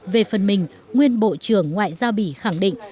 về phần mình nguyên bộ trưởng ngoại giao bỉ khẳng định